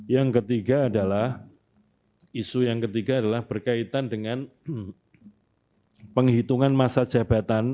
yang ketiga adalah isu yang ketiga adalah berkaitan dengan penghitungan masa jabatan